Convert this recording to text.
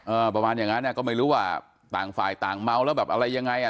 ประมาณอย่างนั้นอ่ะก็ไม่รู้ว่าต่างฝ่ายต่างเมาแล้วแบบอะไรยังไงอ่ะ